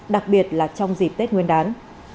đặc biệt là trong dịp tết nguyên đán